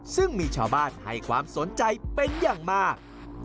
ซึ่งมีชาวบ้านให้ความสนใจเป็นอย่างมาก